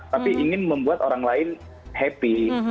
tapi ingin membuat orang lain happy